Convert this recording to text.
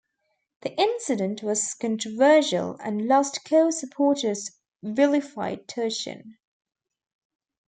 The incident was controversial, and Lost Cause supporters vilified Turchin.